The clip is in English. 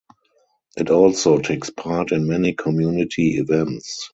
It also takes part in many community events.